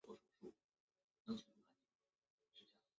这一事件导致塔鲁克加入起义农民和重新激起暴乱。